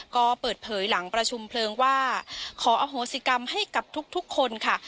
ก็เปิดเผยหลังประชุมเพลิงว่าขออโหสิกรรมให้กับทุกคนค่ะ